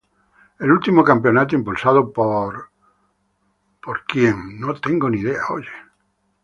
El último campeonato impulsado por Ford.